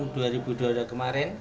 tahun dua ribu dua puluh dua kemarin